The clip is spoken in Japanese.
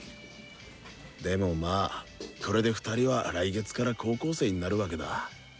でもまあこれで２人は来月から高校生になるわけだ。